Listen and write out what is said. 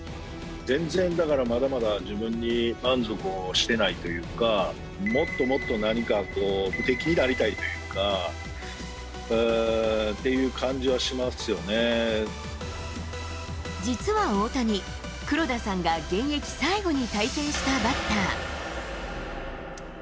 全然だからまだまだ自分に満足をしていないというか、もっともっと何かこう、無敵になりたいというか、っていう感じは実は大谷、黒田さんが現役最後に対戦したバッター。